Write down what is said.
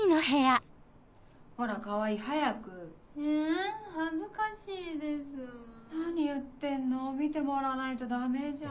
・ほら川合早く・・え恥ずかしいです・・何言ってんの見てもらわないとダメじゃん